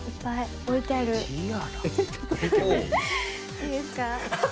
いいですか？